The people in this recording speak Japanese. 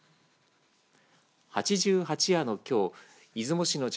八十八夜のきょう出雲市の茶